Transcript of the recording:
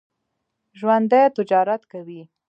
ژوندي تجارت کوي